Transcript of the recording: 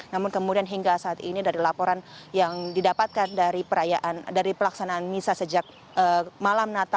namun kemudian hingga saat ini dari laporan yang didapatkan dari perayaan dari pelaksanaan misa sejak malam nata pada tanggal dua puluh empat desember hingga pagi hari ini situasi masih kondusif